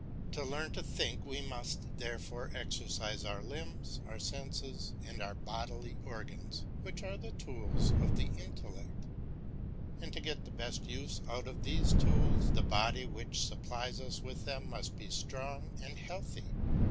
To learn to think we must therefore exercise our limbs, our senses, and our bodily organs, which are the tools of the intellect; and to get the best use out of these tools, the body which supplies us with them must be strong and healthy.